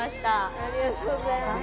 ありがとうございます。